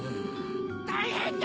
・たいへんだ！